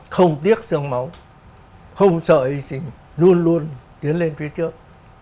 không tiếc sương máu không sợ hy sinh luôn luôn tiến lên phía trước